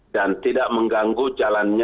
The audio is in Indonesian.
dan tidak mengganggu jalannya